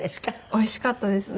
おいしかったですね。